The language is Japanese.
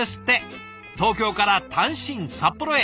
東京から単身札幌へ。